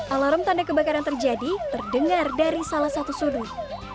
alarm tanda kebakaran terjadi terdengar dari salah satu sudut